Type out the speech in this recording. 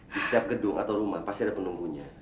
di setiap gedung atau rumah pasti ada penunggunya